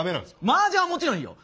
マージャンはもちろんいいよ